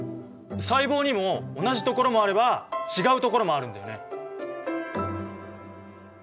細胞にも同じところもあれば違うところもあるんだよね。